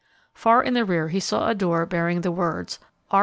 Far in the rear he saw a door bearing the words, "R.